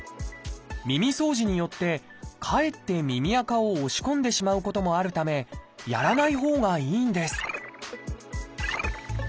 耳そうじによってかえって耳あかを押し込んでしまうこともあるためやらないほうがいいんです